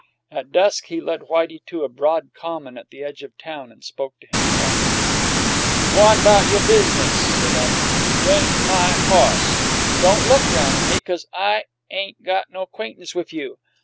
At dusk he led Whitey to a broad common at the edge of town, and spoke to him finally. "G'on 'bout you biz'nis," said Abalene; "you ain' my hoss. Don' look roun' at me, 'cause I ain' got no 'quaintance wif you.